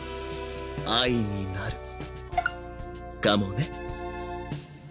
愛になるかもね？